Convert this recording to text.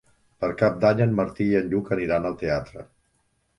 Per Cap d'Any en Martí i en Lluc aniran al teatre.